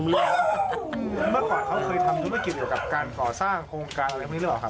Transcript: เมื่อก่อนเขาเคยทำธุรกิจเกี่ยวกับการก่อสร้างโครงการอะไรพวกนี้หรือเปล่าครับ